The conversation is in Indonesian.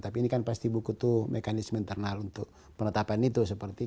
tapi ini kan pasti buku itu mekanisme internal untuk penetapan itu